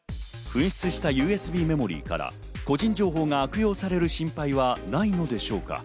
紛失したＵＳＢメモリーから個人情報が悪用される心配はないのでしょうか。